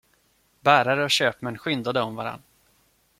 Bärare och köpmän skyndade om varandra.